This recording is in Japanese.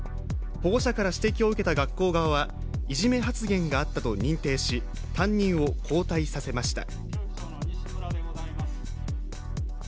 保護者から指摘を受けた学校側は、いじめ発言があったと認定し、担任を交代させました。